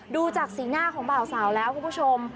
ดูจากสีหน้าของบ่าวสาวแล้วคุณผู้ชม